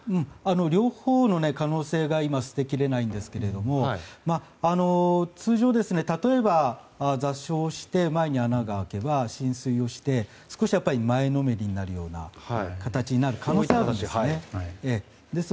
両方の可能性が今、捨てきれないんですけれど通常、例えば座礁して前に穴が開けば浸水をして少し前のめりになるような形になる可能性があります。